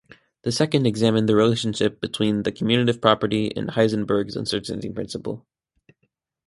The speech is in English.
The second examined the relationship between the commutative property and Heisenberg's uncertainty principle.